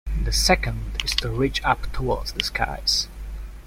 The second is to reach up toward the skies.